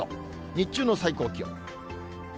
日中の最高気温。